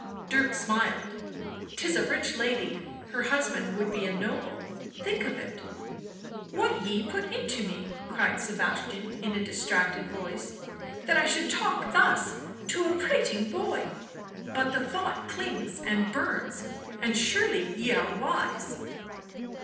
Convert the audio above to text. Dirk smiled. " 'Tis a rich lady, her husband would be a noble; think of it." "What ye put into me!" cried Sebastian in a distracted voice. " That I should talk thus to a prating boy! But the thought clings and burns — and surely ye are wise."